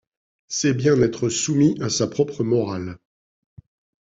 c'est bien être soumis à sa propre morale.